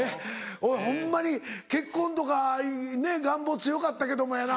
お前ホンマに結婚とかねぇ願望強かったけどもやな。